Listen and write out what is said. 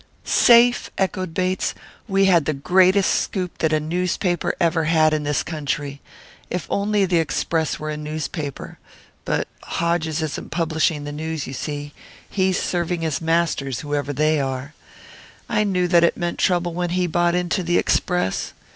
"Safe?" echoed Bates. "We had the greatest scoop that a newspaper ever had in this country if only the Express were a newspaper. But Hodges isn't publishing the news, you see; he's serving his masters, whoever they are. I knew that it meant trouble when he bought into the Express.